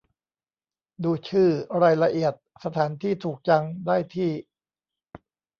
ดูชื่อ รายละเอียด สถานที่ถูกจัง ได้ที่